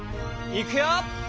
いくよ！